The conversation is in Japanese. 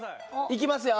いきますよ。